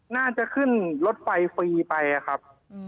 น่าจะขึ้นรถไฟฟรีไปครับ